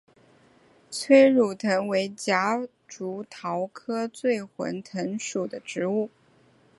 催乳藤为夹竹桃科醉魂藤属的植物。